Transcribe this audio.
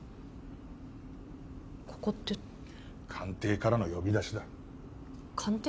ここって官邸からの呼び出しだ官邸？